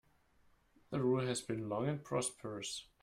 The rule has been long and prosperous.